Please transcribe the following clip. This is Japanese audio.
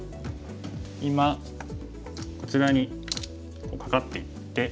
今こちらにカカっていって。